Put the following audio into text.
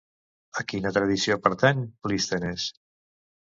A quina tradició pertany Plístenes?